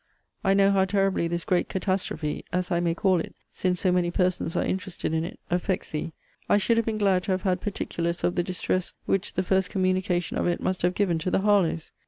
I know how terribly this great catastrophe (as I may call it, since so many persons are interested in it) affects thee. I should have been glad to have had particulars of the distress which the first communication of it must have given to the Harlowes.